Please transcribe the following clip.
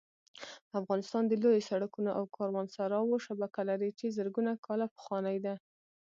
افغانستان د لویو سړکونو او کاروانسراوو شبکه لري چې زرګونه کاله پخوانۍ ده